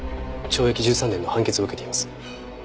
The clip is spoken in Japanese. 懲役１３年の判決を受けています。